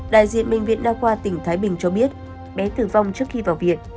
đại diện bệnh viện đa khoa tỉnh thái bình cho biết bé tử vong trước khi vào viện